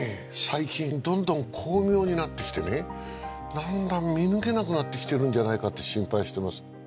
最近どんどん巧妙になってきてねだんだん見抜けなくなってきてるんじゃないかって心配してます